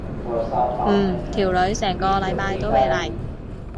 唔條女成個禮拜都未嚟。